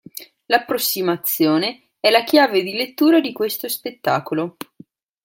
L'approssimazione è la chiave di lettura di questo spettacolo.